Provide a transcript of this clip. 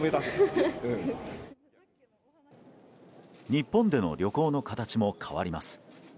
日本での旅行の形も変わります。